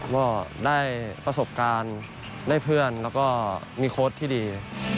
ก็ได้ประสบการณ์ได้เพื่อนแล้วก็มีโค้ดที่ดี